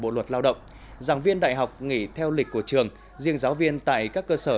bộ luật lao động giảng viên đại học nghỉ theo lịch của trường riêng giáo viên tại các cơ sở